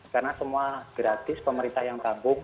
karena semua gratis pemerintah yang pabung